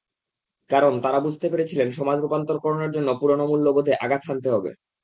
কারণ, তাঁরা বুঝতে পেরেছিলেন, সমাজ রূপান্তরকরণের জন্য পুরোনা মূল্যবোধে আঘাত হানতে হবে।